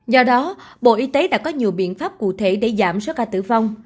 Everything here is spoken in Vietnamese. do đó bộ y tế đã có nhiều biện pháp cụ thể để giảm số ca tử vong